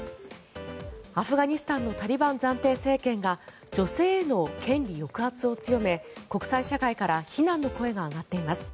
アフガニスタンのタリバン暫定政権が女性への権利抑圧を強め国際社会から非難の声が上がっています。